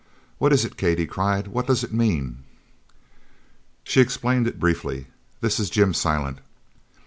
"What is it, Kate," he cried. "What does it mean?" She explained it briefly: "This is Jim Silent!"